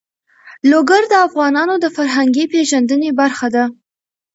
لوگر د افغانانو د فرهنګي پیژندنې برخه ده.